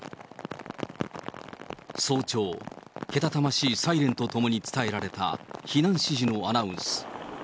早朝、けたたましいサイレンとともに伝えられた避難指示のアナウンス。